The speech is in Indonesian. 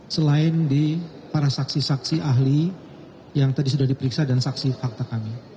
selain di para saksi saksi ahli yang tadi sudah diperiksa dan saksi fakta